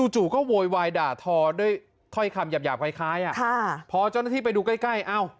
จู่ก็โวยวายด่าทอด้วยถ้อยคำหยาบคล้ายพอเจ้าหน้าที่ไปดูใกล้เอ้า